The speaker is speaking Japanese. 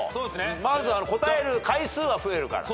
まず答える回数は増えるから。